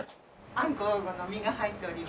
あんこうの身が入っております。